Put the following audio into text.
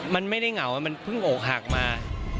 มันไม่ได้เหงามันเพิ่งอกหักมา